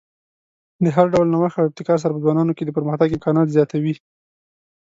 د هر ډول نوښت او ابتکار سره په ځوانانو کې د پرمختګ امکانات زیاتوي.